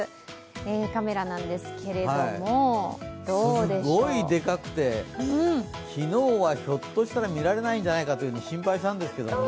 カメラなんですけれどもすごいでかくて、昨日はひょっとしたら見られないんじゃないかと心配したんですけどね。